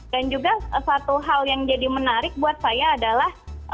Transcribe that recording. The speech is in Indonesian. dan juga satu hal yang jadi menarik buat saya adalah